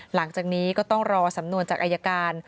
หลังจากนี้ก็ต้องรอสำนวนจากอายการ